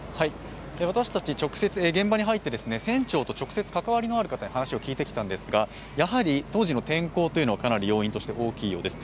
私たち、現場に入って船長と直接関わりのある人の話を伺ってきたんですがやはり当時の天候というのがかなり要因として大きいようです。